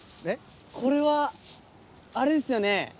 これはあれですよね？